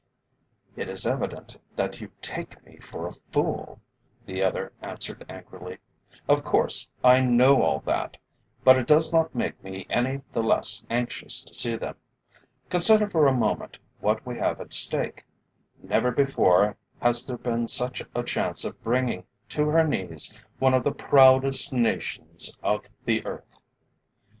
"It is evident that you take me for a fool," the other answered angrily. "Of course, I know all that; but it does not make me any the less anxious to see them. Consider for a moment what we have at stake. Never before has there been such a chance of bringing to her knees one of the proudest nations of the earth.